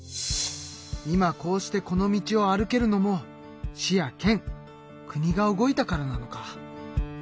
今こうしてこの道を歩けるのも市や県国が動いたからなのか。